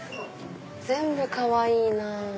全部かわいいなぁ。